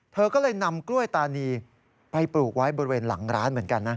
เธอก็เลยนำกล้วยตานีไปปลูกไว้บริเวณหลังร้านเหมือนกันนะ